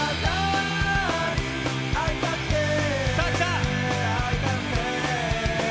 さあ、来た！